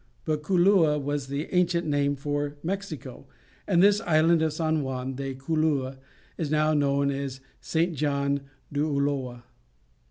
But Culua was the ancient name for Mexico, and this Island of San Juan de Culua is now known as St. John d'Ulloa.